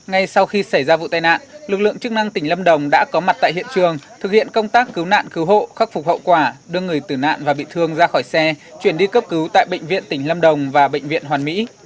ngay sau khi xảy ra vụ tai nạn lực lượng chức năng tỉnh lâm đồng đã có mặt tại hiện trường thực hiện công tác cứu nạn cứu hộ khắc phục hậu quả đưa người tử nạn và bị thương ra khỏi xe chuyển đi cấp cứu tại bệnh viện tỉnh lâm đồng và bệnh viện hoàn mỹ